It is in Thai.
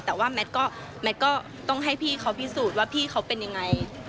แต่ว่าแมทก็ต้องให้พี่เขาพิสูจน์ว่าพี่เขาเป็นยังไง